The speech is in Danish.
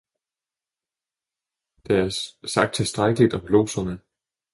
Der er sagt tilstrækkeligt om lodserne.